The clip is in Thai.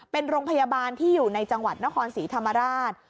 เป็นโรงพยาบาลที่อยู่ในจังหวัดนครศรีธรรมราช